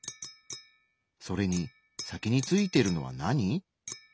それに先についてるのは何？